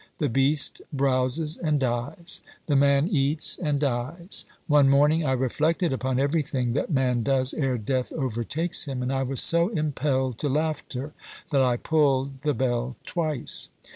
The beast browses and dies ! The man eats and dies ! One morning I reflected upon everything that man does ere death overtakes him, and I was so impelled to laughter that I pulled the bell twice.